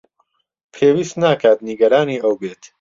پێویست ناکات نیگەرانی ئەو بێت.